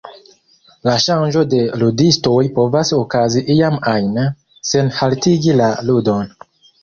La ŝanĝo de ludistoj povas okazi iam ajn, sen haltigi la ludon.